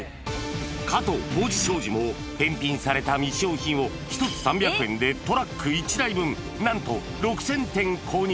加藤浩次商事も返品された未使用品を１つ３００円でトラック１台分、なんと６０００点購入。